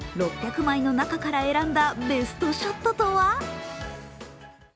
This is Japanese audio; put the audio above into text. ６００枚の中から選んだベストショットとは。